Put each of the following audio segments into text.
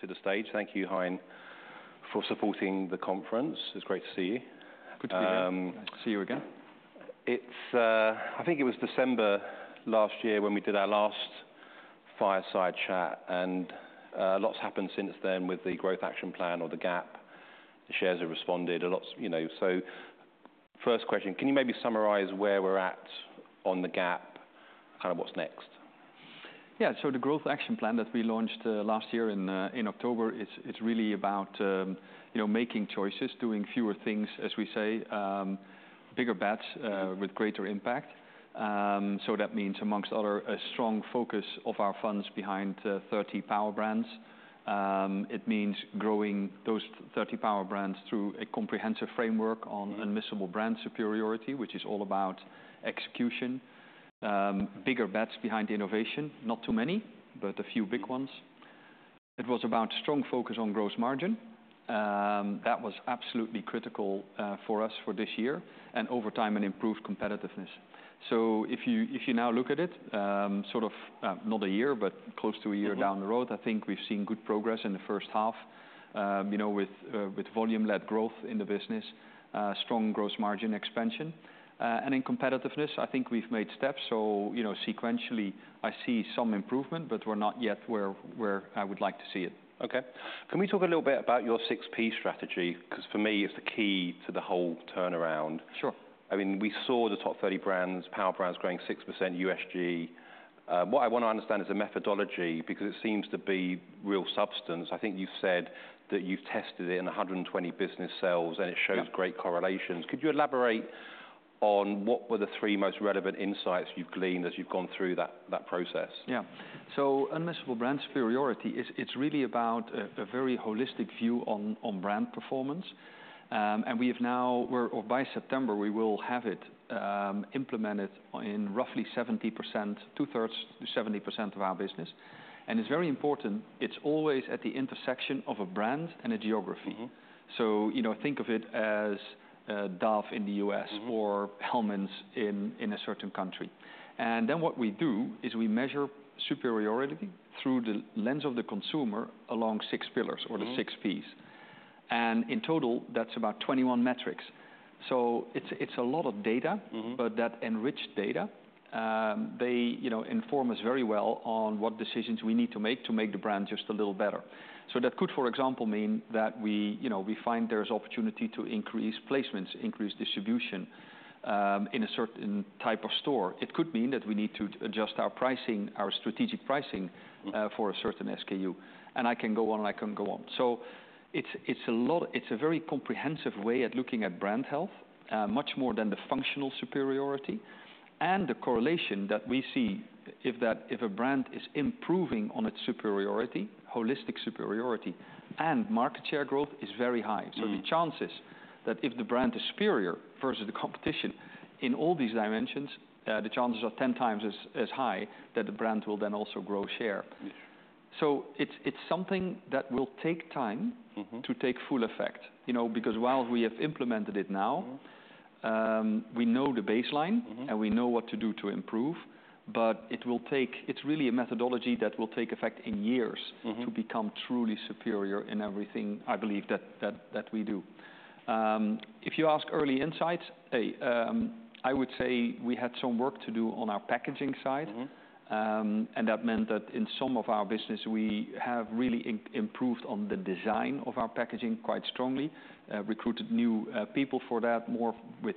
to the stage. Thank you, Hein, for supporting the conference. It's great to see you. Nice to see you again. It's, I think it was December last year when we did our last fireside chat, and a lot's happened since then with the Growth Action Plan or the GAP. The shares have responded a lot, you know, so first question, can you maybe summarize where we're at on the GAP? Kind of what's next? Yeah, so the Growth Action Plan that we launched last year in October, it's really about, you know, making choices, doing fewer things, as we say. Bigger bets with greater impact. So that means, amongst other, a strong focus of our funds behind 30 Power Brands. It means growing those 30 Power Brands through a comprehensive framework on Unmissable Brand Superiority, which is all about execution. Bigger bets behind innovation, not too many, but a few big ones. It was about strong focus on Gross Margin. That was absolutely critical for us for this year, and over time, an improved competitiveness. So if you now look at it, sort of, not a year, but close to a year down the road, I think we've seen good progress in the first half. You know, with volume-led growth in the business, strong gross margin expansion, and in competitiveness, I think we've made steps, so you know, sequentially, I see some improvement, but we're not yet where I would like to see it. Okay. Can we talk a little bit about your six P strategy? 'Cause for me, it's the key to the whole turnaround. Sure. I mean, we saw the top 30 brands, Power Brands growing 6% USG. What I want to understand is the methodology, because it seems to be real substance. I think you've said that you've tested it in 120 business cells, and it shows great correlations. Could you elaborate on what were the three most relevant insights you've gleaned as you've gone through that process? So Unmissable Brand Superiority is. It's really about a very holistic view on brand performance. And we have now, or by September, we will have it implemented in roughly 70%, 2/3 to 70% of our business, and it's very important. It's always at the intersection of a brand and a geography. So you know, think of it as Dove in the U.S. or Hellmann's in a certain country. And then what we do, is we measure superiority through the lens of the consumer along six pillars or the six Ps, and in total, that's about 21 metrics. So it's, it's a lot of data. But that enriched data, they, you know, inform us very well on what decisions we need to make to make the brand just a little better. So that could, for example, mean that we, you know, we find there's opportunity to increase placements, increase distribution, in a certain type of store. It could mean that we need to adjust our pricing, our strategic pricing for a certain SKU, and I can go on, and I can go on. So it's, it's a lot, it's a very comprehensive way of looking at brand health, much more than the functional superiority. And the correlation that we see, if a brand is improving on its superiority, holistic superiority, and market share growth is very high. So the chances that if the brand is superior versus the competition in all these dimensions, the chances are ten times as high that the brand will then also grow share. Yes. So it's something that will take time to take full effect, you know, because while we have implemented it now and we know the baseline and we know what to do to improve, but it will take. It's really a methodology that will take effect in years to become truly superior in everything I believe that we do. If you ask early insights, I would say we had some work to do on our packaging side. And that meant that in some of our business, we have really improved on the design of our packaging quite strongly. Recruited new people for that, more with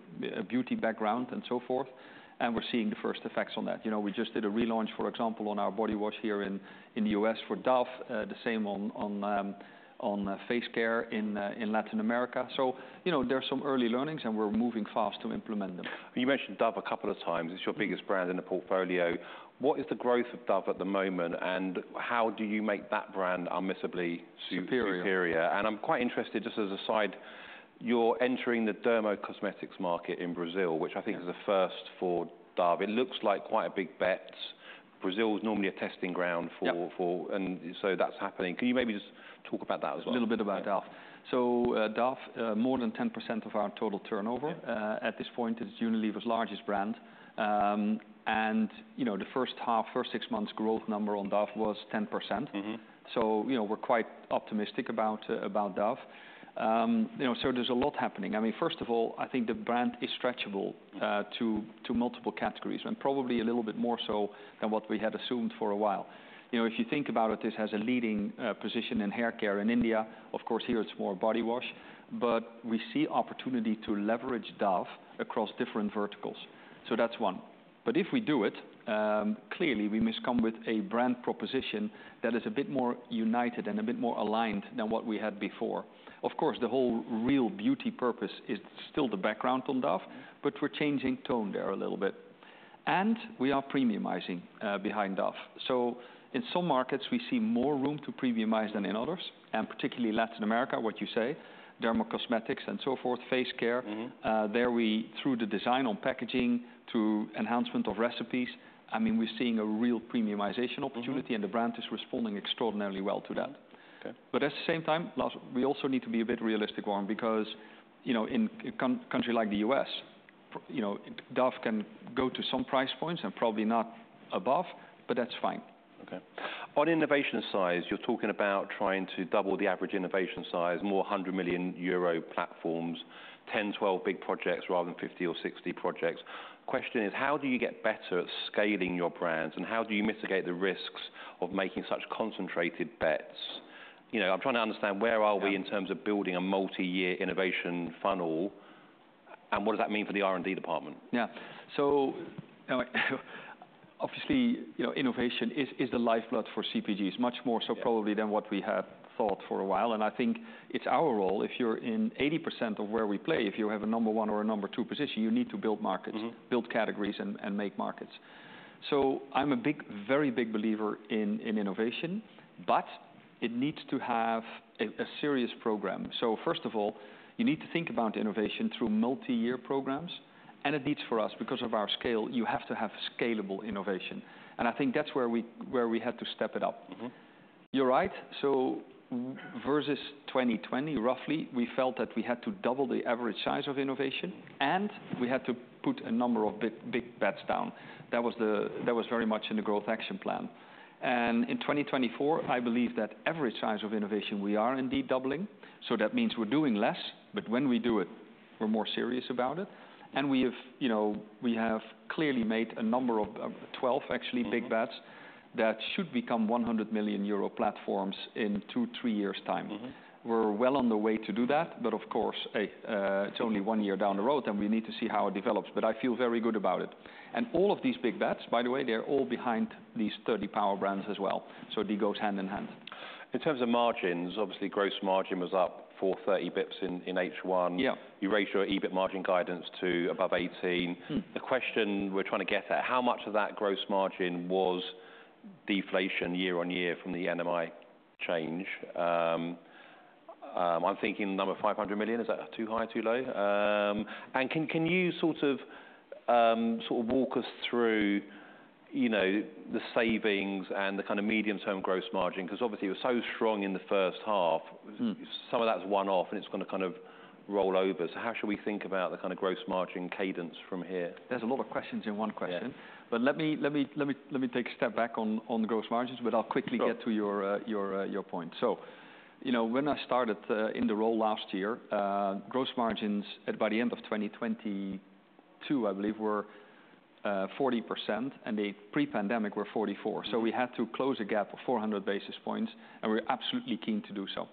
beauty background and so forth, and we're seeing the first effects on that. You know, we just did a relaunch, for example, on our body wash here in the U.S. for Dove. The same on face care in Latin America. So, you know, there are some early learnings, and we're moving fast to implement them. You mentioned Dove a couple of times it's your biggest brand in the portfolio. What is the growth of Dove at the moment, and how do you make that brand unmissably- Superior Superior. And I'm quite interested, just as an aside, you're entering the dermacosmetics market in Brazil, which I think is a first for Dove. It looks like quite a big bet. Brazil is normally a testing ground for, and so that's happening. Can you maybe just talk about that as well? A little bit about Dove. So, Dove, more than 10% of our total turnover at this point, is Unilever's largest brand, and you know, the first half, first six months growth number on Dove was 10%. So, you know, we're quite optimistic about Dove. You know, so there's a lot happening. I mean, first of all, I think the brand is stretchable to multiple categories and probably a little bit more so than what we had assumed for a while. You know, if you think about it, this has a leading position in haircare in India. Of course, here it's more body wash, but we see opportunity to leverage Dove across different verticals. So that's one. But if we do it, clearly, we must come with a brand proposition that is a bit more united and a bit more aligned than what we had before. Of course, the whole real beauty purpose is still the background on Dove, but we're changing tone there a little bit, and we are premiumizing behind Dove. So in some markets, we see more room to premiumize than in others, and particularly Latin America, what you say, dermacosmetics and so forth, face care. Through the design on packaging to enhancement of recipes, I mean, we're seeing a real premiumization opportunity and the brand is responding extraordinarily well to that. Okay. But at the same time, last, we also need to be a bit realistic, Warren, because, you know, in a country like the U.S. you know, Dove can go to some price points and probably not above, but that's fine. Okay. On innovation size, you're talking about trying to double the average innovation size, more 100 million euro platforms, 10-12 big projects rather than 50 or 60 projects. Question is, how do you get better at scaling your brands, and how do you mitigate the risks of making such concentrated bets? You know, I'm trying to understand where are we in terms of building a multi-year innovation funnel, and what does that mean for the R&D department? Yeah. So, obviously, you know, innovation is the lifeblood for CPGs, much more so probably than what we had thought for a while. And I think it's our role, if you're in 80% of where we play, if you have a number one or a number two position, you need to build markets build categories and make markets. So I'm a big, very big believer in innovation, but it needs to have a serious program. So first of all, you need to think about innovation through multi-year programs, and it needs for us, because of our scale, you have to have scalable innovation. And I think that's where we had to step it up. You're right. So versus 2020, roughly, we felt that we had to double the average size of innovation, and we had to put a number of big, big bets down. That was. That was very much in the growth action plan. And in 2024, I believe that average size of innovation, we are indeed doubling. So that means we're doing less, but when we do it, we're more serious about it. And we have, you know, we have clearly made a number of 12, actually big bets that should become 100 million euro platforms in two, three years' time. We're well on the way to do that, but of course, it's only one year down the road, and we need to see how it develops, but I feel very good about it, and all of these big bets, by the way, they're all behind these thirty Power Brands as well, so it goes hand in hand. In terms of margins, obviously, gross margin was up 430 basis points in H1. Yeah. You raised your EBIT margin guidance to above 18. The question we're trying to get at, how much of that gross margin was deflation year on year from the NMI change? I'm thinking the number 500 million. Is that too high, too low? And can you sort of walk us through, you know, the savings and the kind of medium-term gross margin? 'Cause obviously, you were so strong in the first half some of that's one-off, and it's gonna kind of roll over. So how should we think about the kind of gross margin cadence from here? There's a lot of questions in one question. Yeah. But let me take a step back on the gross margins, but i'll quickly get to your point. So, you know, when I started in the role last year, gross margins, by the end of 2022, I believe, were 40%, and pre-pandemic were 44%. So we had to close a gap of 400 basis points, and we're absolutely keen to do so.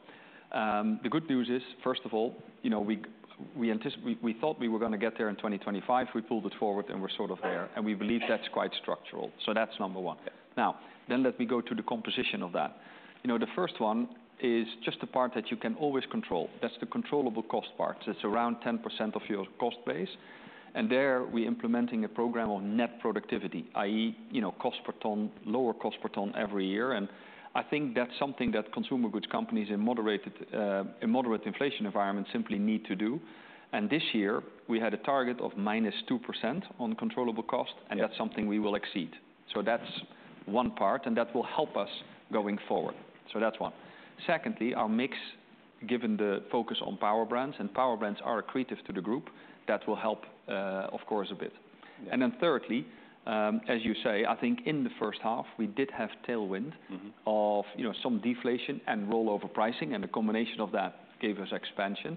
The good news is, first of all, you know, we thought we were gonna get there in 2025. We pulled it forward, and we're sort of there, and we believe that's quite structural. So that's number one. Now, then, let me go to the composition of that. You know, the first one is just the part that you can always control. That's the controllable cost part. It's around 10% of your cost base, and there, we're implementing a program on net productivity, i.e., you know, cost per ton, lower cost per ton every year, and I think that's something that consumer goods companies in moderate inflation environments simply need to do. And this year, we had a target of minus 2% on controllable cost and that's something we will exceed. So that's one part, and that will help us going forward. So that's one. Secondly, our mix, given the focus on Power Brands, and Power Brands are accretive to the group, that will help, of course, a bit. Yeah. And then thirdly, as you say, I think in the first half, we did have tailwind of, you know, some deflation and rollover pricing, and a combination of that gave us expansion.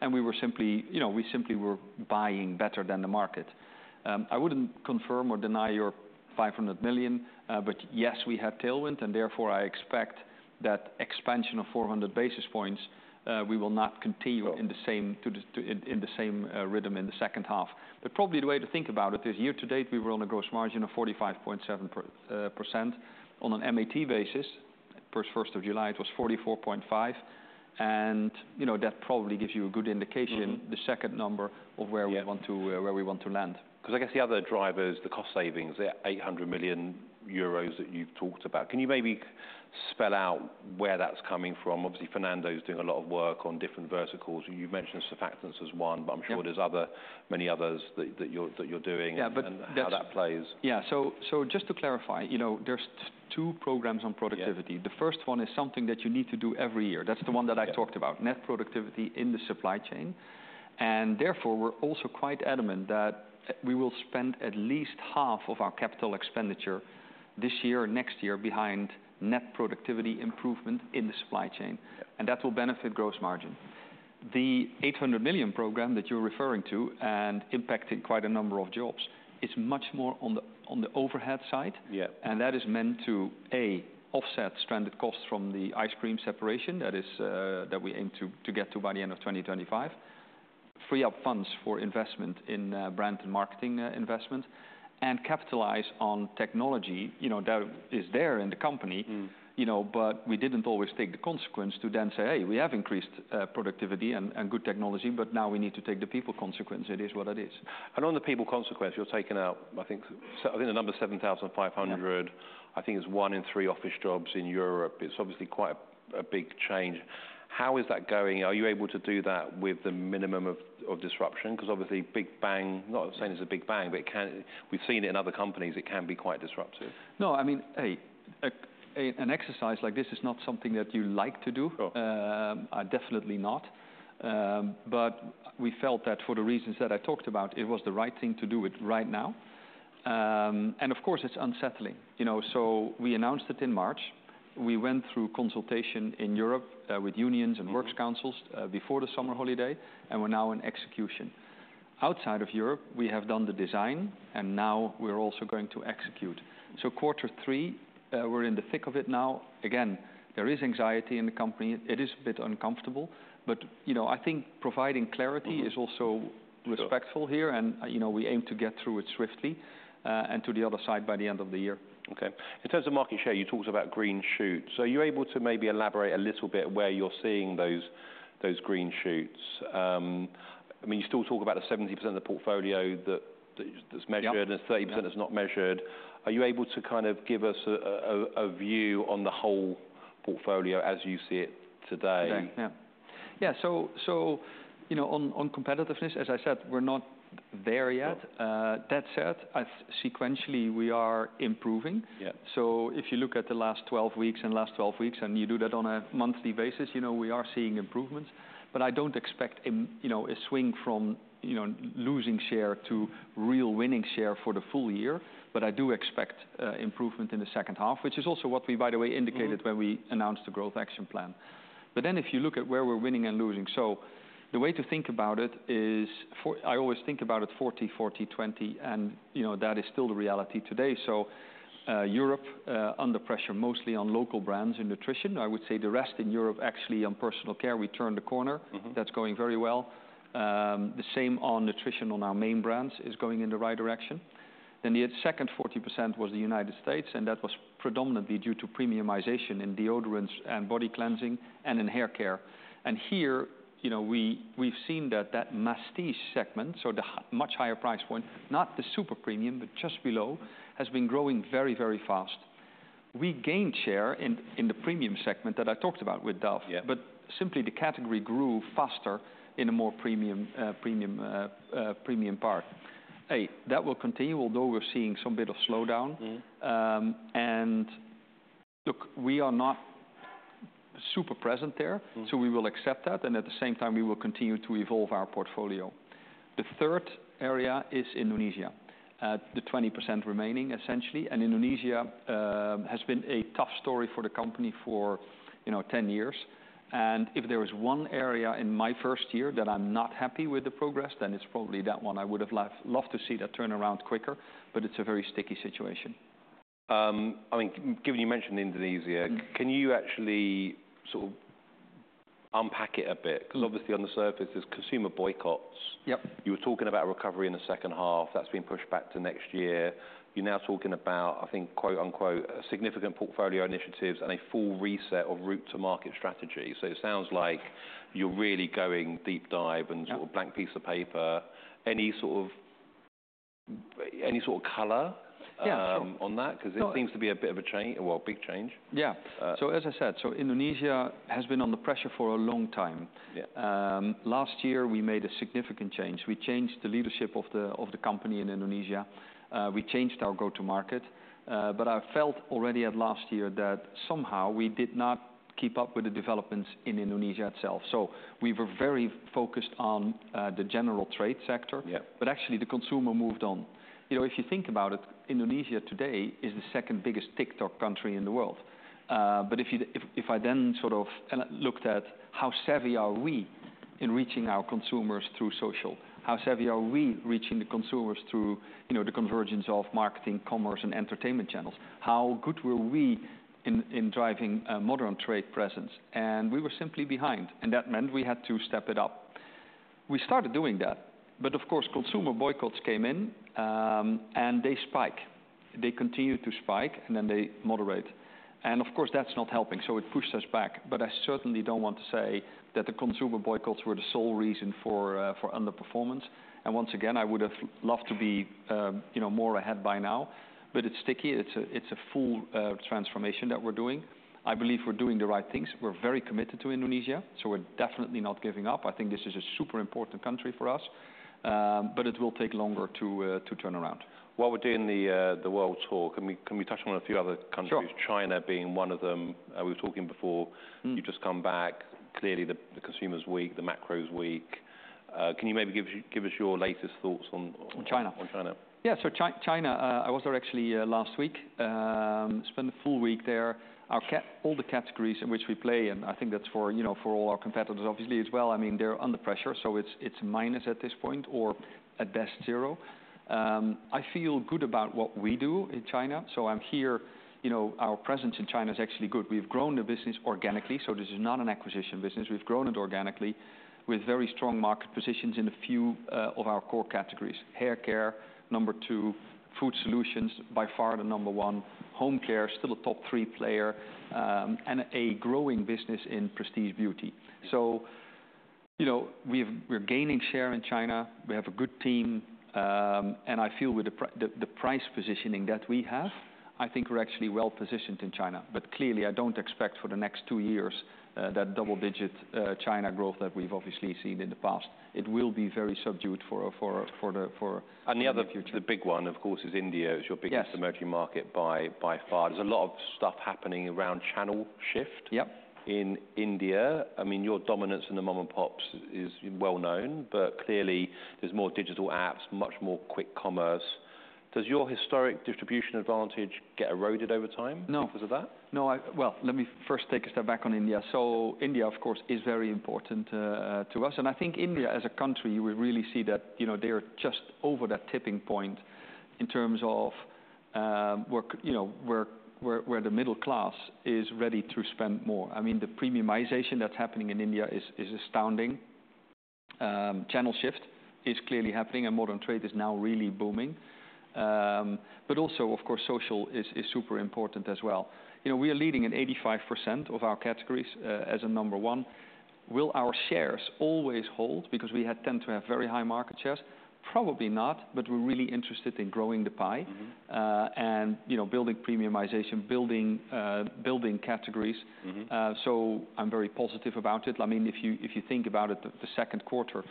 And we were simply... You know, we simply were buying better than the market. I wouldn't confirm or deny your 500 million, but yes, we had tailwind, and therefore, I expect that expansion of 400 basis points, we will not continue in the same rhythm in the second half. But probably the way to think about it is, year to date, we were on a Gross Margin of 45.7%. On an MAT basis, first of July, it was 44.5, and, you know, that probably gives you a good indication the second number of where we want to where we want to land. 'Cause I guess the other drivers, the cost savings, the 800 million euros that you've talked about, can you maybe spell out where that's coming from? Obviously, Fernando's doing a lot of work on different verticals. You've mentioned surfactants as one, but I'm sure there's other, many others that you're doing- Yeah, but that- and how that plays. Yeah. Just to clarify, you know, there's two programs on productivity. Yeah. The first one is something that you need to do every year. That's the one that I talked about, net productivity in the supply chain. And therefore, we're also quite adamant that we will spend at least half of our capital expenditure this year or next year behind net productivity improvement in the supply chain. That will benefit gross margin. The 800 million program that you're referring to, and impacting quite a number of jobs, is much more on the overhead side. Yeah. That is meant to, A, offset stranded costs from the ice cream separation, that is, that we aim to get to by the end of 2025, free up funds for investment in brand and marketing investment, and capitalize on technology, you know, that is there in the company. You know, but we didn't always take the consequence to then say, "Hey, we have increased productivity and good technology, but now we need to take the people consequence." It is what it is. On the people consequence, you're taking out, I think, so I think the number is 7,500. I think it's one in three office jobs in Europe. It's obviously quite a big change. How is that going? Are you able to do that with the minimum of disruption? 'Cause obviously, big bang, not saying it's a big bang, but it can, we've seen it in other companies, it can be quite disruptive. No, I mean, an exercise like this is not something that you like to do. Definitely not. But we felt that for the reasons that I talked about, it was the right thing to do it right now. And of course, it's unsettling, you know? So we announced it in March. We went through consultation in Europe, with unions and works councils, before the summer holiday, and we're now in execution. Outside of Europe, we have done the design, and now we're also going to execute. So quarter three, we're in the thick of it now. Again, there is anxiety in the company. It is a bit uncomfortable, but, you know, I think providing clarity is also respectful here, and, you know, we aim to get through it swiftly, and to the other side by the end of the year. Okay. In terms of market share, you talked about green shoots. Are you able to maybe elaborate a little bit where you're seeing those green shoots? I mean, you still talk about the 70% of the portfolio that's measured- Yep and 30% is not measured. Are you able to kind of give us a view on the whole portfolio as you see it today? Yeah. So, you know, on competitiveness, as I said, we're not there yet. That said, sequentially, we are improving. Yeah. If you look at the last 12 weeks, and you do that on a monthly basis, you know, we are seeing improvements. But I don't expect immediate, you know, a swing from, you know, losing share to real winning share for the full year. But I do expect improvement in the second half, which is also what we, by the way, indicated when we announced the Growth Action Plan. But then if you look at where we're winning and losing, so the way to think about it is I always think about it 40/40/20 and, you know, that is still the reality today. So, Europe under pressure, mostly on local brands in nutrition. I would say the rest in Europe, actually, on personal care, we turned the corner. That's going very well. The same on nutrition on our main brands is going in the right direction. Then the second 40% was the United States, and that was predominantly due to premiumization in deodorants and body cleansing and in hair care. And here, you know, we, we've seen that prestige segment, so the much higher price point, not the super premium, but just below, has been growing very, very fast. We gained share in the premium segment that I talked about with Dove. But simply, the category grew faster in a more premium part. That will continue, although we're seeing some bit of slowdown. And look, we are not super present there so we will accept that, and at the same time, we will continue to evolve our portfolio. The third area is Indonesia, the 20% remaining, essentially, and Indonesia has been a tough story for the company for, you know, ten years. If there is one area in my first year that I'm not happy with the progress, then it's probably that one. I would've loved to see that turn around quicker, but it's a very sticky situation. I think, given you mentioned Indonesia can you actually sort of unpack it a bit? 'Cause obviously on the surface, there's consumer boycotts. Yep. You were talking about recovery in the second half. That's been pushed back to next year. You're now talking about, I think, quote, unquote, "significant portfolio initiatives and a full reset of route to market strategy." So it sounds like you're really going deep dive and sort of blank piece of paper. Any sort of color on that? Cause it seems to be a bit of a change, well, big change. Yeah. So as I said, so Indonesia has been under pressure for a long time. Last year, we made a significant change. We changed the leadership of the company in Indonesia. We changed our go-to-market, but I felt already at last year that somehow we did not keep up with the developments in Indonesia itself. So we were very focused on the general trade sector- Yeah... but actually, the consumer moved on. You know, if you think about it, Indonesia today is the second-biggest TikTok country in the world. But if I then sort of looked at how savvy are we in reaching our consumers through social? How savvy are we reaching the consumers through, you know, the convergence of marketing, commerce, and entertainment channels? How good were we in driving a modern trade presence? And we were simply behind, and that meant we had to step it up. We started doing that, but of course, consumer boycotts came in, and they spike. They continued to spike, and then they moderate. And of course, that's not helping, so it pushed us back. But I certainly don't want to say that the consumer boycotts were the sole reason for underperformance. Once again, I would've loved to be, you know, more ahead by now, but it's sticky. It's a, it's a full transformation that we're doing. I believe we're doing the right things. We're very committed to Indonesia, so we're definitely not giving up. I think this is a super important country for us, but it will take longer to turn around. While we're doing the world tour, can we touch on a few other countries? Sure. China being one of them. We were talking before. You've just come back. Clearly, the consumer's weak, the macro is weak. Can you maybe give us your latest thoughts on, on- On China... on China? Yeah, so China, I was there actually, last week, spent the full week there. All the categories in which we play, and I think that's for, you know, for all our competitors, obviously, as well, I mean, they're under pressure, so it's minus at this point or at best, zero. I feel good about what we do in China, so I'm here, you know, our presence in China is actually good. We've grown the business organically, so this is not an acquisition business. We've grown it organically with very strong market positions in a few of our core categories. Hair care, number two. Food solutions, by far the number one. Home care, still a top three player, and a growing business in prestige beauty. You know, we're gaining share in China. We have a good team, and I feel with the price positioning that we have, I think we're actually well positioned in China. But clearly, I don't expect for the next two years that double-digit China growth that we've obviously seen in the past. It will be very subdued for the near future. The other, the big one, of course, is India. It's your biggest emerging market by far. There's a lot of stuff happening around channel shift. Yep... in India. I mean, your dominance in the mom-and-pops is well known, but clearly there's more digital apps, much more quick commerce. Does your historic distribution advantage get eroded over time- No because of that? No. Well, let me first take a step back on India. So India, of course, is very important to us, and I think India as a country, we really see that, you know, they are just over that tipping point in terms of work, you know, where the middle class is ready to spend more. I mean, the premiumization that's happening in India is astounding. Channel shift is clearly happening and modern trade is now really booming. But also, of course, social is super important as well. You know, we are leading in 85% of our categories as a number one. Will our shares always hold because we had tend to have very high market shares? Probably not, but we're really interested in growing the pie and, you know, building premiumization, building categories. So I'm very positive about it. I mean, if you, if you think about it, the second quarter,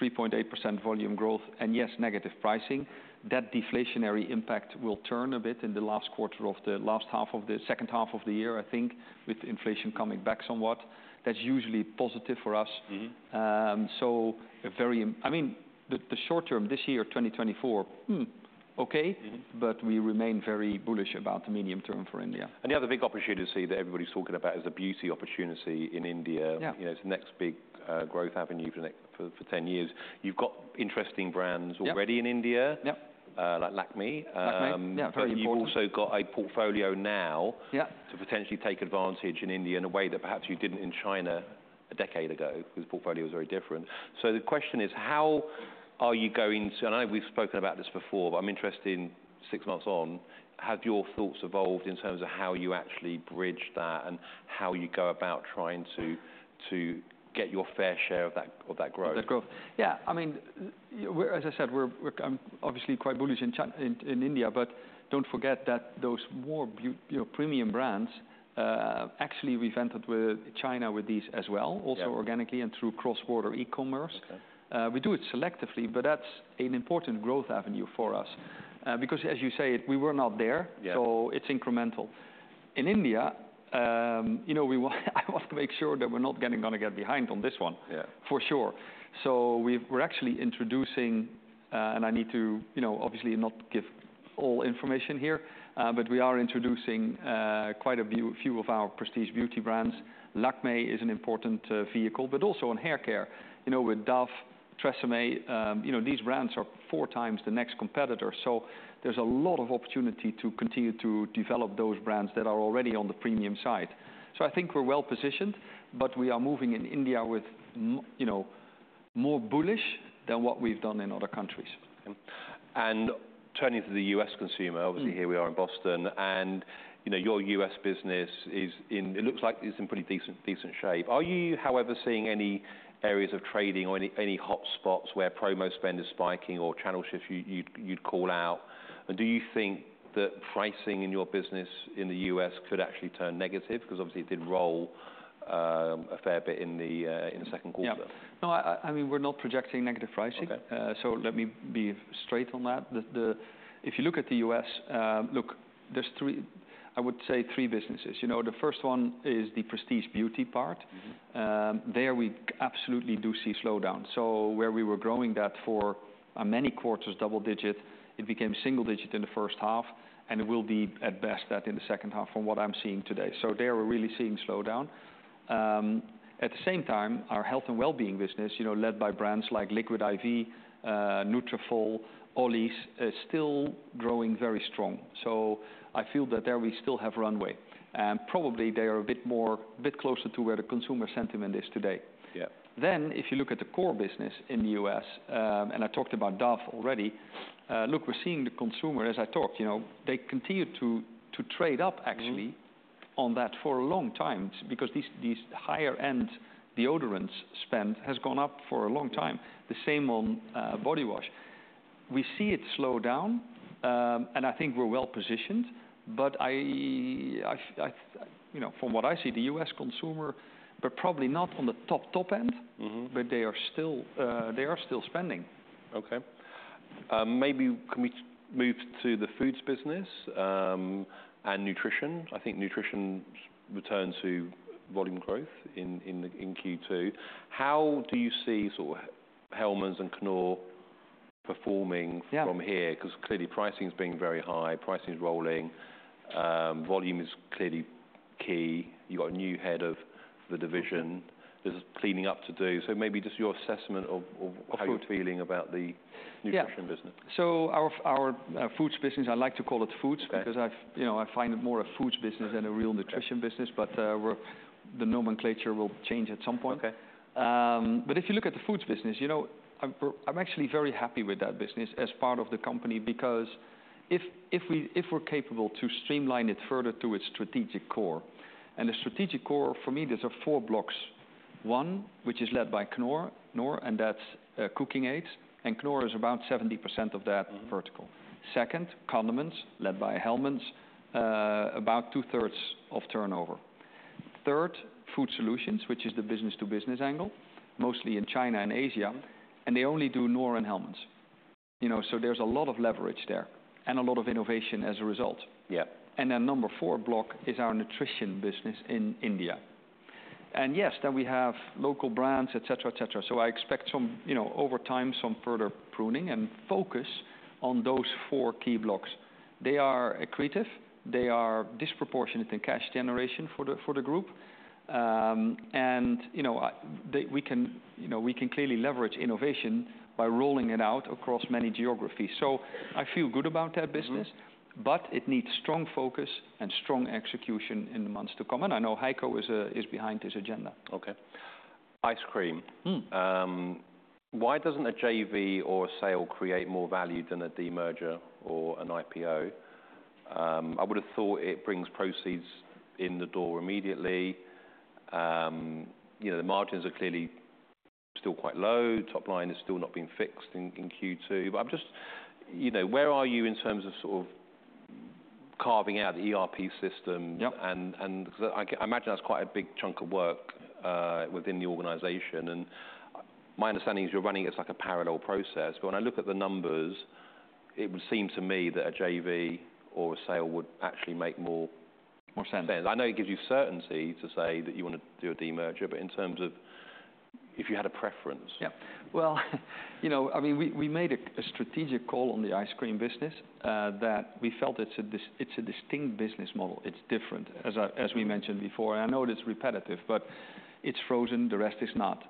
3.8% volume growth, and yes, negative pricing, that deflationary impact will turn a bit in the last quarter of the last half of the second half of the year, I think, with inflation coming back somewhat. That's usually positive for us. I mean, the short term this year 2024. But we remain very bullish about the medium term for India. The other big opportunity that everybody's talking about is the beauty opportunity in India. Yeah. You know, it's the next big growth avenue for the ten years. You've got interesting brands already- Yeah -in India. Yeah. Like Lakmé. Lakmé, yeah, very. You've also got a portfolio now- Yeah to potentially take advantage in India in a way that perhaps you didn't in China a decade ago, because the portfolio was very different. So the question is: How are you going to. And I know we've spoken about this before, but I'm interested in six months on, have your thoughts evolved in terms of how you actually bridge that and how you go about trying to get your fair share of that growth? Of that growth? Yeah. I mean, as I said, I'm obviously quite bullish in China, in India, but don't forget that those more buoyant, you know, premium brands, actually we invested in China with these as well also organically and through cross-border e-commerce. We do it selectively, but that's an important growth avenue for us. Because as you say, we were not there so it's incremental. In India, you know, I want to make sure that we're not getting, gonna get behind on this one for sure. So we've, we're actually introducing, and I need to, you know, obviously not give all information here, but we are introducing, quite a few of our prestige beauty brands. Lakmé is an important, vehicle, but also in haircare. You know, with Dove, TRESemmé, you know, these brands are four times the next competitor. So there's a lot of opportunity to continue to develop those brands that are already on the premium side. So I think we're well positioned, but we are moving in India with more bullish than what we've done in other countries. Okay. And turning to the U.S. consumer obviously, here we are in Boston, and, you know, your U.S. business is in, it looks like it's in pretty decent shape. Are you, however, seeing any areas of trading or any hotspots where promo spend is spiking or channel shifts you'd call out? And do you think that pricing in your business in the U.S. could actually turn negative? Because obviously, it did roll a fair bit in the second quarter. Yeah. No, I mean, we're not projecting negative pricing. So let me be straight on that. If you look at the US, there's three, I would say three businesses. You know, the first one is the prestige beauty part. There we absolutely do see slowdown, so where we were growing that for many quarters, double digit, it became single digit in the first half, and it will be at best that in the second half from what I'm seeing today, so there, we're really seeing slowdown. At the same time, our health and well-being business, you know, led by brands like Liquid I.V., Nutrafol, Olly, is still growing very strong, so I feel that there we still have runway, and probably they are a bit more, bit closer to where the consumer sentiment is today. Yeah. If you look at the core business in the U.S., and I talked about Dove already. Look, we're seeing the consumer, as I talked, you know. They continue to trade up actually on that for a long time, because these higher-end deodorants spend has gone up for a long time. The same on body wash. We see it slow down, and I think we're well positioned, but I you know, from what I see, the U.S. consumer, but probably not on the top end but they are still spending. Okay. Maybe can we move to the foods business, and nutrition? I think nutrition returned to volume growth in Q2. How do you see sort of Hellmann's and Knorr performing from here? Because clearly pricing has been very high, pricing is rolling, volume is clearly key. You've got a new head of the division. There's cleaning up to do. So maybe just your assessment of how you're feeling about the nutrition business. Yeah. So our foods business, I like to call it foods because I've, you know, I find it more a foods business than a real nutrition business. But, the nomenclature will change at some point. Okay. But if you look at the foods business, you know, I'm actually very happy with that business as part of the company, because if we're capable to streamline it further to its strategic core, and the strategic core, for me, there are four blocks. One, which is led by Knorr, and that's cooking aids, and Knorr is about 70% of that vertical. Second, condiments, led by Hellmann's, about two-thirds of turnover. Third, Food Solutions, which is the business-to-business angle, mostly in China and Asia, and they only do Knorr and Hellmann's. You know, so there's a lot of leverage there and a lot of innovation as a result. Yeah. And then number four block is our nutrition business in India. And yes, then we have local brands, et cetera, et cetera. So I expect some, you know, over time, some further pruning and focus on those four key blocks. They are accretive, they are disproportionate in cash generation for the, for the group. And, you know, we can, you know, we can clearly leverage innovation by rolling it out across many geographies. So I feel good about that business but it needs strong focus and strong execution in the months to come, and I know Heiko is behind this agenda. Okay. Ice cream. Why doesn't a JV or a sale create more value than a demerger or an IPO? I would've thought it brings proceeds in the door immediately. You know, the margins are clearly still quite low. Top line is still not being fixed in Q2. But I'm just, you know, where are you in terms of sort of carving out the ERP system? Yep. 'Cause I imagine that's quite a big chunk of work within the organization, and my understanding is you're running it as like a parallel process. But when I look at the numbers, it would seem to me that a JV or a sale would actually make more- More sense... sense. I know it gives you certainty to say that you wanna do a demerger, but in terms of if you had a preference? Yeah. Well, you know, I mean, we made a strategic call on the ice cream business that we felt it's a distinct business model. It's different, as i, as we mentioned before, and I know it's repetitive, but it's frozen, the rest is not.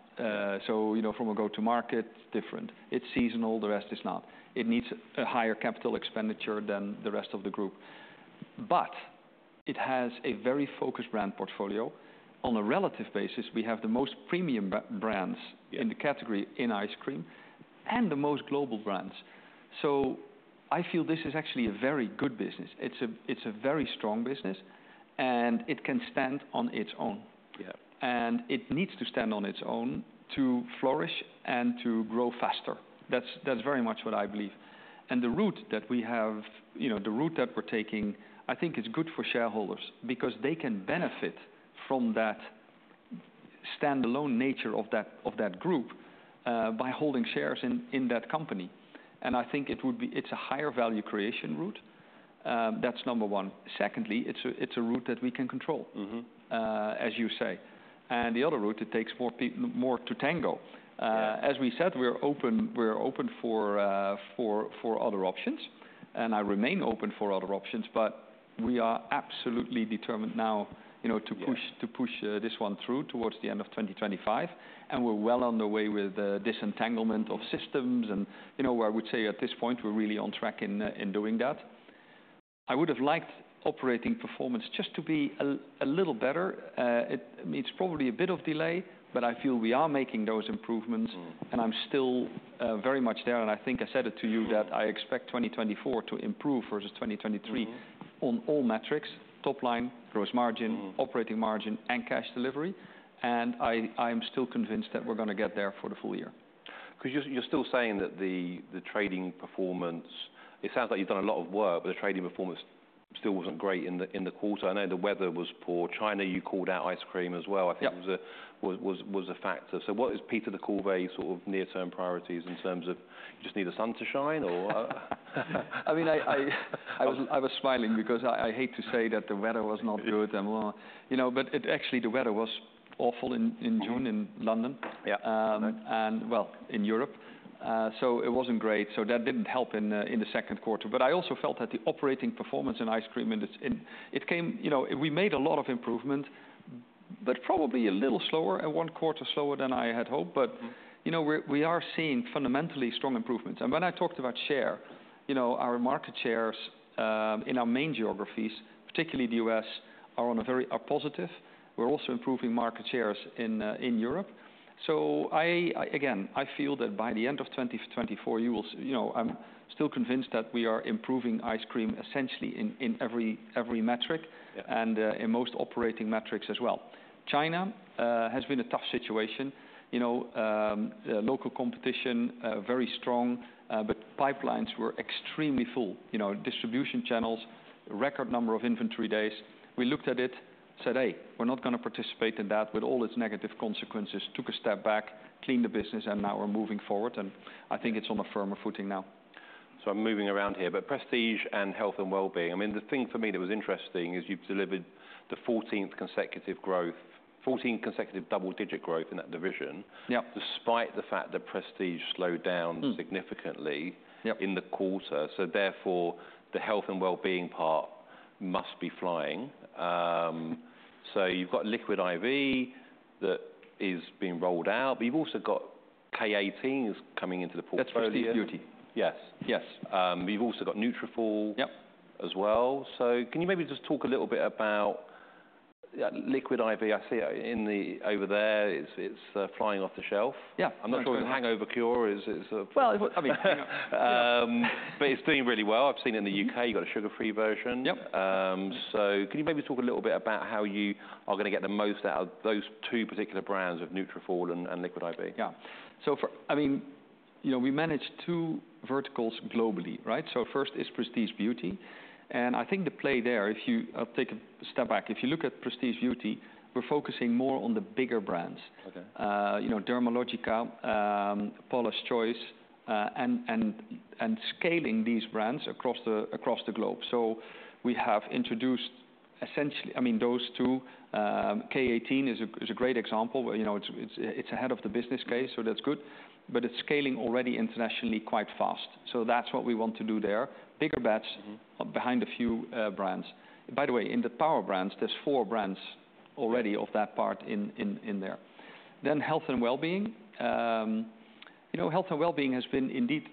So, you know, from a go-to-market, different. It's seasonal, the rest is not. It needs a higher capital expenditure than the rest of the group. But it has a very focused brand portfolio. On a relative basis, we have the most premium brands in the category in ice cream, and the most global brands. So I feel this is actually a very good business. It's a, it's a very strong business, and it can stand on its own. Yeah. And it needs to stand on its own to flourish and to grow faster. That's, that's very much what I believe. And the route that we have, you know, the route that we're taking, I think is good for shareholders because they can benefit from that standalone nature of that, of that group, by holding shares in, in that company, and I think it would be It's a higher value creation route. That's number one. Secondly, it's a, it's a route that we can control as you say. And the other route, it takes more to tango. As we said, we're open for other options, and I remain open for other options, but we are absolutely determined now, you know, to push to push this one through towards the end of 2025, and we're well on the way with the disentanglement of systems. And, you know, I would say at this point, we're really on track in doing that. I would've liked operating performance just to be a little better. It's probably a bit of delay, but I feel we are making those improvements. And I'm still very much there, and I think I said it to you, that I expect 2024 to improve versus 2023, on all metrics: top line, Gross Margin, Operating Margin, and Cash Delivery, and I, I'm still convinced that we're gonna get there for the full year. 'Cause you're still saying that the trading performance, it sounds like you've done a lot of work, but the trading performance still wasn't great in the quarter. I know the weather was poor. China, you called out ice cream as well. Yep. I think it was a factor. So what is Peter ter Kulve sort of near-term priorities in terms of you just need the sun to shine, or...? I mean, I was smiling because I hate to say that the weather was not good. You know, but it actually, the weather was awful in June in London. Yeah. In Europe, well, so it wasn't great, so that didn't help in the second quarter, but I also felt that the operating performance in ice cream came, you know. We made a lot of improvement, but probably a little slower and one quarter slower than I had hoped. But you know, we are seeing fundamentally strong improvements. And when I talked about share, you know, our market shares in our main geographies, particularly the U.S., are positive. We're also improving market shares in Europe. So again, I feel that by the end of 2024, you will, you know, I'm still convinced that we are improving ice cream essentially in every metric and, in most operating metrics as well. China has been a tough situation. You know, the local competition very strong, but pipelines were extremely full. You know, distribution channels record number of inventory days. We looked at it and said, "Hey, we're not gonna participate in that with all its negative consequences," took a step back, cleaned the business, and now we're moving forward, and I think it's on a firmer footing now. So, I'm moving around here, but prestige and health and wellbeing. I mean, the thing for me that was interesting is you've delivered the 14 consecutive growth, 14 consecutive double-digit growth in that division- Yep... despite the fact that prestige slowed down significantly- Yep... in the quarter, so therefore, the health and wellbeing part must be flying. So you've got Liquid I.V. that is being rolled out, but you've also got K18 is coming into the portfolio. That's prestige beauty. Yes. Yes. But you've also got Nutrafol- Yep... as well. So can you maybe just talk a little bit about Liquid I.V.? I see it in the, over there. It's flying off the shelf. Yeah. I'm not sure if a hangover cure is Well, I mean... But it's doing really well. I've seen in the UK, you've got a sugar-free version. Yep. So can you maybe talk a little bit about how you are gonna get the most out of those two particular brands of Nutrafol and Liquid I.V.? Yeah. So for, I mean, you know, we manage two verticals globally, right? So first is prestige beauty, and I think the play there, if you take a step back, if you look at prestige beauty, we're focusing more on the bigger brands. Okay. You know, Dermalogica, Paula's Choice, and scaling these brands across the globe. Essentially, I mean, those two, K18 is a great example, where, you know, it's ahead of the business case, so that's good, but it's scaling already internationally quite fast. So that's what we want to do there, bigger bets, behind a few brands. By the way, in the Power Brands, there's four brands already of that part in there. Then health and wellbeing. You know, health and wellbeing has been indeed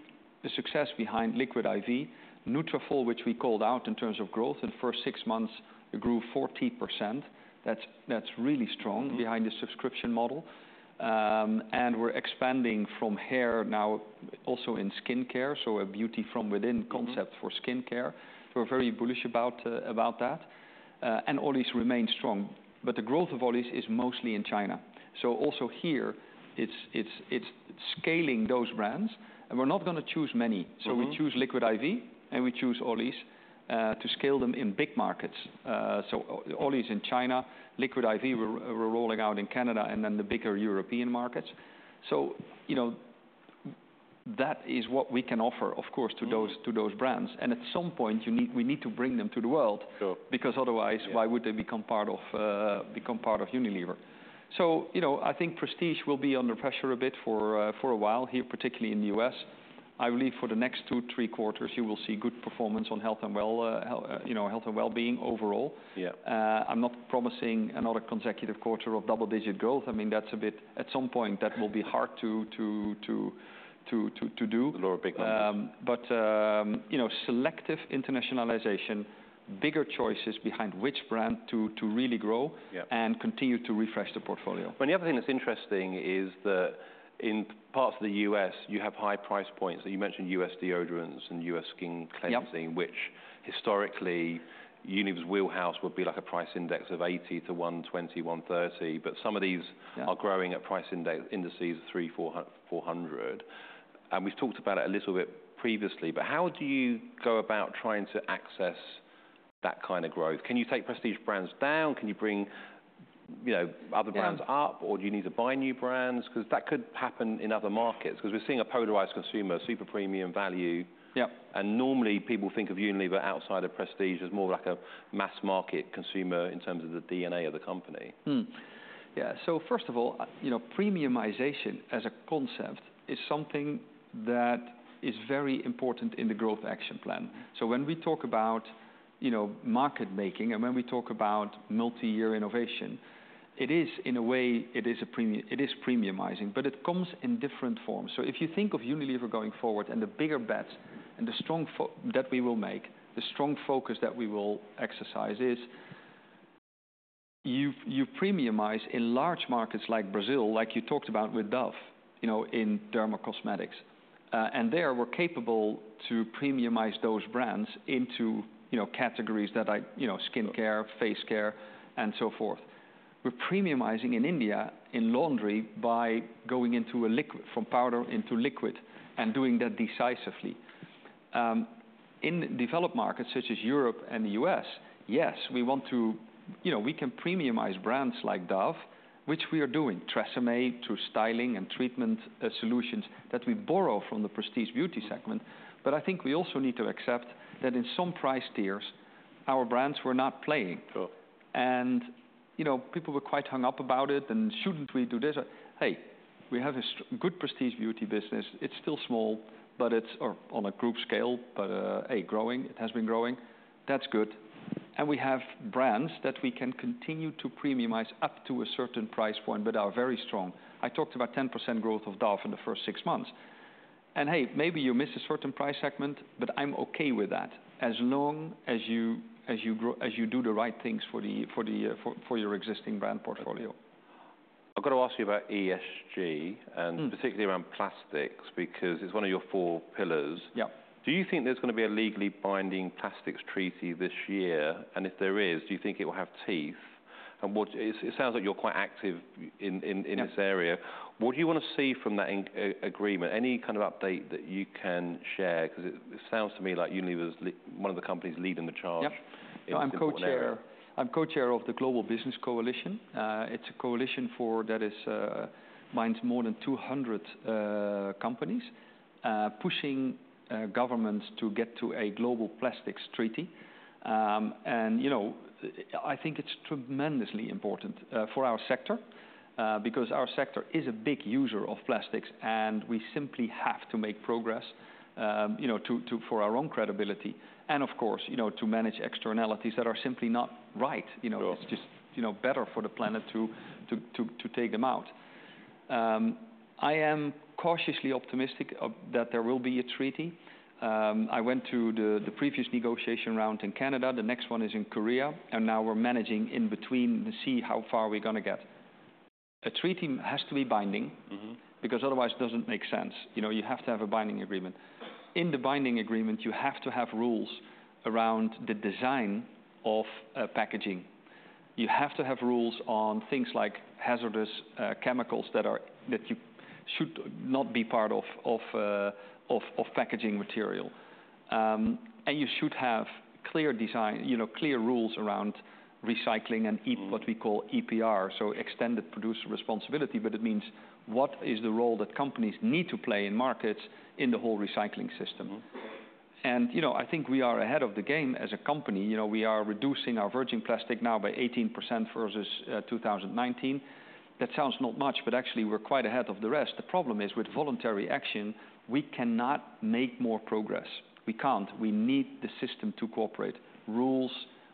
the success behind Liquid IV. Nutrafol, which we called out in terms of growth, in the first six months it grew 40%. That's really strong behind the subscription model. And we're expanding from hair now also in skincare, so a beauty from within concept for skincare. We're very bullish about that, and Olly remains strong, but the growth of Olly is mostly in China, so also here, it's scaling those brands, and we're not gonna choose many. So we choose Liquid I.V., and we choose Olly, to scale them in big markets. So, Olly in China, Liquid I.V. we're rolling out in Canada and then the bigger European markets. So, you know, that is what we can offer, of course, to those, to those brands. And at some point, we need to bring them to the world, So because otherwise why would they become part of, become part of Unilever? So, you know, I think prestige will be under pressure a bit for, for a while here, particularly in the U.S. I believe for the next two, three quarters, you will see good performance on health and, you know, health and wellbeing overall. Yeah. I'm not promising another consecutive quarter of double-digit growth. I mean, that's a bit at some point, that will be hard to do. Lower big numbers. But you know, selective internationalization, bigger choices behind which brand to really grow- Yeah... and continue to refresh the portfolio. But the other thing that's interesting is that in parts of the U.S., you have high price points. So you mentioned U.S. deodorants and U.S. skin cleansing which historically, Unilever's wheelhouse would be like a price index of 80 to 120, 130. But some of these are growing at price indices of three-400. And we've talked about it a little bit previously, but how do you go about trying to access that kind of growth? Can you take prestige brands down? Can you bring, you know, other brands up or do you need to buy new brands? 'Cause that could happen in other markets, 'cause we're seeing a polarized consumer, super premium value. Yep. Normally, people think of Unilever outside of prestige as more like a mass market consumer in terms of the DNA of the company. Yeah, so first of all, you know, premiumization as a concept is something that is very important in the growth action plan. So when we talk about, you know, market making, and when we talk about multi-year innovation, it is, in a way, it is premiumizing, but it comes in different forms. So if you think of Unilever going forward, and the bigger bets, and the strong focus that we will make, the strong focus that we will exercise is you premiumize in large markets like Brazil, like you talked about with Dove, you know, in dermacosmetics. And there, we are capable to premiumize those brands into, you know, categories that I. You know, skincare, face care, and so forth. We're premiumizing in India in laundry by going into a liquid, from powder into liquid, and doing that decisively. In developed markets such as Europe and the US, yes, we want to... You know, we can premiumize brands like Dove, which we are doing. TRESemmé to styling and treatment, solutions that we borrow from the prestige beauty segment. But I think we also need to accept that in some price tiers, our brands were not playing. Sure. You know, people were quite hung up about it, and shouldn't we do this? Hey, we have a good prestige beauty business. It's still small, but it's or on a group scale, but hey, growing. It has been growing. That's good. We have brands that we can continue to premiumize up to a certain price point, but are very strong. I talked about 10% growth of Dove in the first six months. Hey, maybe you miss a certain price segment, but I'm okay with that, as long as you grow, as you do the right things for the for your existing brand portfolio. I've got to ask you about ESG and particularly around plastics, because it's one of your four pillars. Yep. Do you think there's gonna be a legally binding plastics treaty this year? And if there is, do you think it will have teeth? It sounds like you're quite active in this area. What do you wanna see from that agreement? Any kind of update that you can share? 'Cause it sounds to me like Unilever's one of the companies leading the charge in this important area. I'm co-chair of the Global Business Coalition. It's a coalition that includes more than 200 companies pushing governments to get to a global plastics treaty. You know, I think it's tremendously important for our sector because our sector is a big user of plastics, and we simply have to make progress, you know, to, for our own credibility, and of course, you know, to manage externalities that are simply not right. You know, it's just, you know, better for the planet to take them out. I am cautiously optimistic that there will be a treaty. I went to the previous negotiation round in Canada. The next one is in Korea, and now we're managing in between to see how far we're gonna get. A treaty has to be binding because otherwise, it doesn't make sense. You know, you have to have a binding agreement. In the binding agreement, you have to have rules around the design of packaging. You have to have rules on things like hazardous chemicals that you should not be part of packaging material. And you should have clear design, you know, clear rules around recycling and what we call EPR, so extended producer responsibility, but it means, what is the role that companies need to play in markets in the whole recycling system? You know, I think we are ahead of the game as a company. You know, we are reducing our virgin plastic now by 18% versus 2019. That sounds not much, but actually we're quite ahead of the rest. The problem is, with voluntary action, we cannot make more progress. We can't. We need the system to cooperate: rules,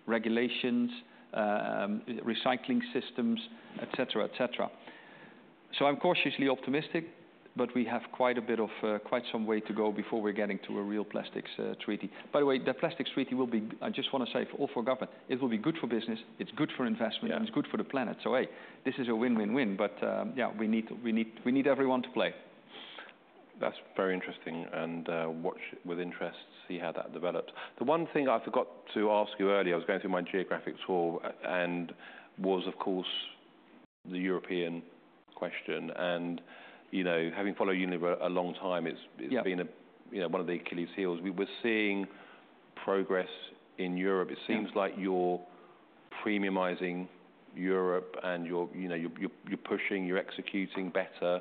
regulations, recycling systems, et cetera, et cetera. So I'm cautiously optimistic, but we have quite a bit of, quite some way to go before we're getting to a real plastics treaty. By the way, the plastics treaty will be. I just want to say, for all governments, it will be good for business. It's good for investment. Yeah. -and it's good for the planet. So, hey, this is a win, win, win. But, yeah, we need everyone to play. That's very interesting, and watch with interest to see how that develops. The one thing I forgot to ask you earlier, I was going through my geographic tour, and, of course, the European question. And, you know, having followed Unilever a long time, it's- Yeah... it's been a, you know, one of the Achilles heels. We were seeing progress in Europe it seems like you're premiumizing Europe and you're, you know, pushing, you're executing better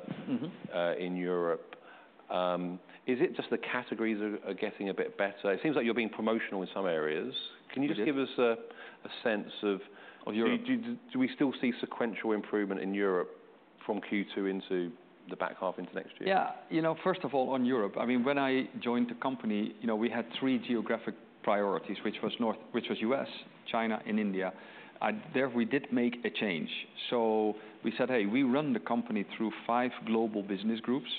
in Europe. Is it just the categories are getting a bit better? It seems like you're being promotional in some areas. Can you just give us a sense of Europe? Do we still see sequential improvement in Europe from Q2 into the back half into next year? Yeah. You know, first of all, on Europe, I mean, when I joined the company, you know, we had three geographic priorities, which was US, China and India. And there, we did make a change. So we said, "Hey, we run the company through five global business groups,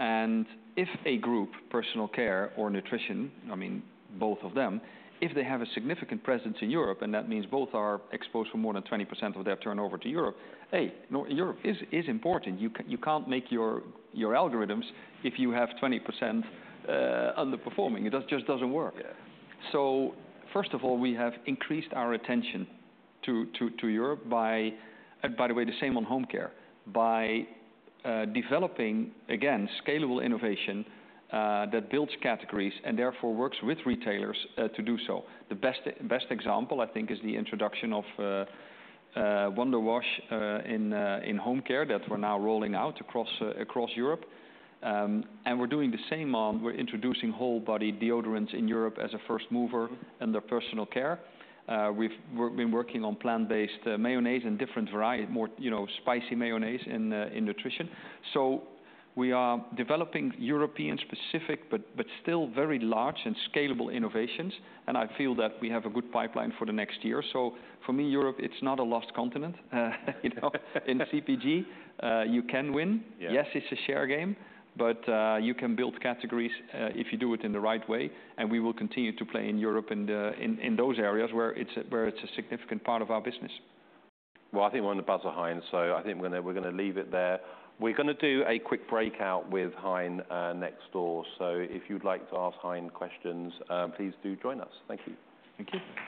and if a group, personal care or nutrition," I mean, both of them, "if they have a significant presence in Europe," and that means both are exposed to more than 20% of their turnover to Europe, "hey, Europe is important." You can't make your algorithms if you have 20% underperforming. It just doesn't work. Yeah. So first of all, we have increased our attention to Europe by. And by the way, the same on home care. By developing, again, scalable innovation that builds categories and therefore works with retailers to do so. The best example, I think, is the introduction of Wonder Wash in home care, that we're now rolling out across Europe. And we're doing the same. We're introducing whole body deodorants in Europe as a first mover under personal care. We've been working on plant-based mayonnaise and different variety, more, you know, spicy mayonnaise in nutrition. So we are developing European specific, but still very large and scalable innovations, and I feel that we have a good pipeline for the next year. So for me, Europe, it's not a lost continent, you know? In CPG, you can win. Yeah. Yes, it's a share game, but you can build categories if you do it in the right way, and we will continue to play in Europe and in those areas where it's a significant part of our business. I think we're on the buzzer, Hein, so I think we're gonna leave it there. We're gonna do a quick breakout with Hein next door. So if you'd like to ask Hein questions, please do join us. Thank you. Thank you.